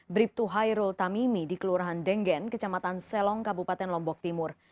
bribtu hairul tamimi di kelurahan denggen kecamatan selong kabupaten lombok timur